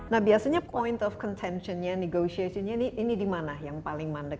nah biasanya point of contention nya negosiation nya ini di mana yang paling mandek